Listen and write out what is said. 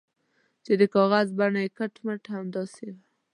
چې د کاغذ بڼه یې کټ مټ همداسې وه.